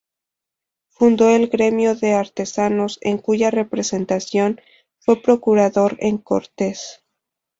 Fundó el Gremio de Artesanos, en cuya representación fue procurador en Cortes.